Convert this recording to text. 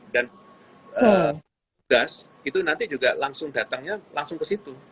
dan petugas itu nanti juga langsung datangnya langsung ke situ